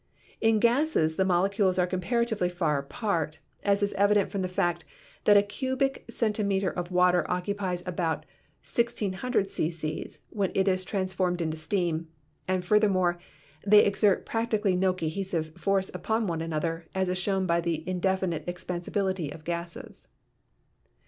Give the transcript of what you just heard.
In gases the molecules are comparatively far apart, as is evident from the fact that a cubic centi meter of water occupies about 1,600 cc. when it is trans formed into steam, and furthermore, they exert practically no cohesive force upon one another, as is shown by the indefinite expansibility of gases."